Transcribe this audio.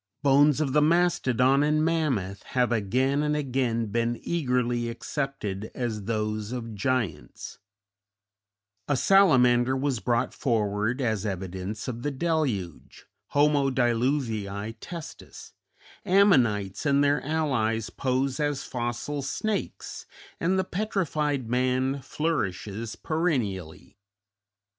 Bones of the Mastodon and Mammoth have again and again been eagerly accepted as those of giants; a salamander was brought forward as evidence of the deluge (homo diluvii testis); ammonites and their allies pose as fossil snakes, and the "petrified man" flourishes perennially.